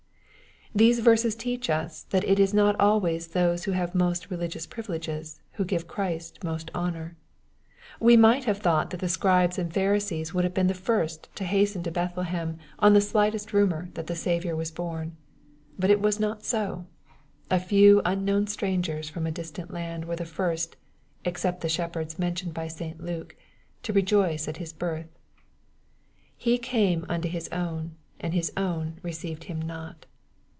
These verses teach us, that it is not always those who lave most religious privileges ^ who give Christ most honor. We might have thought that the Scribes and Pharisees would have been the first to hasten to Bethlehem, on the MATTHEW, CHAP. II. U slightest rumor that the Saviour was born. But it was not so. A few unknown strangers from a distant land were the first, except the shepherds mentioned by St. Luke, to rejoice at His birth. " He came unto his own, and his own received him not."